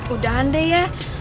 udahan deh ya